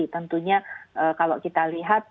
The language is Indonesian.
tentunya kalau kita lihat